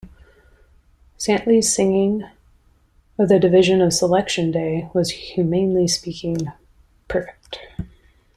'Santley's singing of the division of Selection Day was, humanly speaking, perfect.